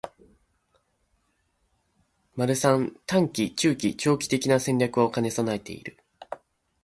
③ 短期、中期、長期的な戦略を兼ね備えている